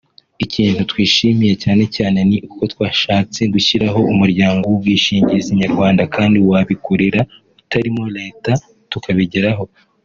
Ikintu twishimira cyane cyane ni uko twashatse gushyiraho umuryango w’ubwishingizi Nyarwanda kandi w’abikorera utarimo Leta tukabigeraho